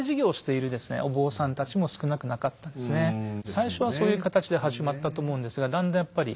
最初はそういう形で始まったと思うんですがだんだんやっぱり。